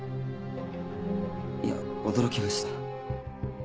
いや驚きました。